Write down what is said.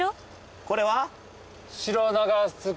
これは？